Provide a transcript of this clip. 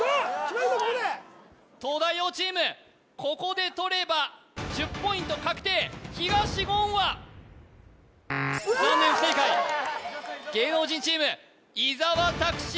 ここで東大王チームここでとれば１０ポイント確定東言は残念不正解芸能人チーム伊沢拓司